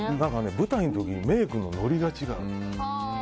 舞台の時にメイクののりが違う。